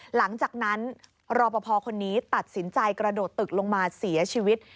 หลังจากนั้นรอปภคนนี้ตัดสินใจกระโดดตึกลงมาเสียชีวิต